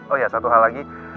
oh ya satu hal lagi